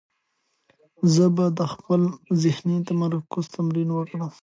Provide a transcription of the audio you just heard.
زه به د خپل ذهني تمرکز تمرین وکړم.